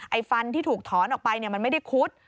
ฟันที่ถูกถอนออกไปมันไม่ได้คุด